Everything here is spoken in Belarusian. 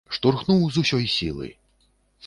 Штурхнуў з усёй сілы.